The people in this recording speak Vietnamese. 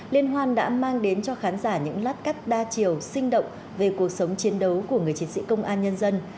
liên hoan đã mang đến cho khán giả những lát cắt đa chiều sinh động về cuộc sống chiến đấu của người chiến sĩ công an nhân dân